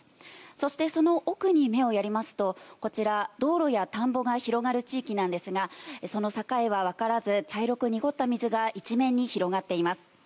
そしてその奥に目をやりますと、こちら道路や田んぼが広がる地域なんですが、その境はわからず、茶色く濁った水が一面に広がっています。